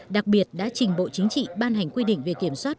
đặc biệt đã trình bộ chính trị ban hành quy định về kiểm soát